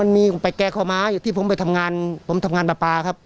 ไปแก้ข้อม้าอยู่ที่ผมไปทำงานผมทำงานปลาปลาครับ